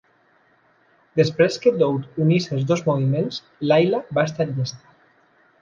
Després que Dowd unís els dos moviments, "Layla" va estar llesta.